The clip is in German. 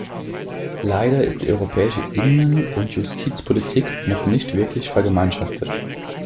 Leider ist die europäische Innen- und Justizpolitik noch nicht wirklich vergemeinschaftet.